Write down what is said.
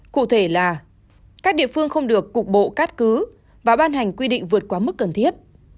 cụ thể là các địa phương không được cục bộ cắt cứ và ban hành quy định vượt quá mức cần thiết